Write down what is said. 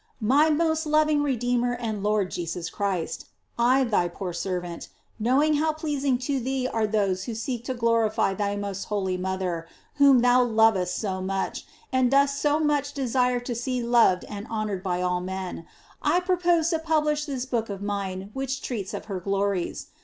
Mf most loving Redeemer and Lord Jesus Christ, I thy poor servant, knowing how pleas ing to thee are those who seek to glorify thy most holy mother, whom thou lovest so much, and dost so much desire to pee loved and honor ed by all men, I propose to publish this book of mine which treats of her glories.